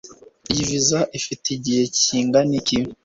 Iyi viza ifite igihe kingana iki